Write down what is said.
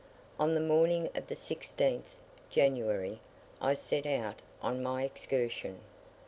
On the morning of the 16th (January) I set out on my excursion.